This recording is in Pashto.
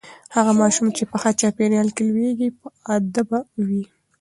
هغه ماشوم چې په ښه چاپیریال کې لوییږي باادبه وي.